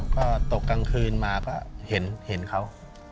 ก็ตกกลางคืนมาก็เห็นเขา